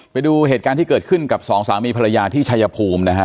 ไปดูเหตุการณ์ที่เกิดขึ้นกับสองสามีภรรยาที่ชายภูมินะฮะ